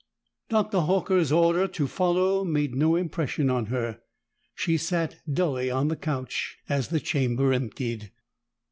Dr. Horker's order to follow made no impression on her; she sat dully on the couch as the chamber emptied.